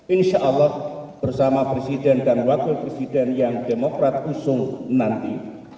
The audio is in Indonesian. insya allah bersama presiden dan wakil presiden yang demokrat usung nanti